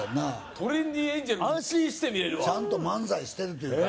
トレンディエンジェル安心して見れるわちゃんと漫才してるっていう感じ